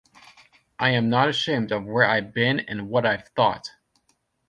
I am not ashamed of where I've been and what I've thought.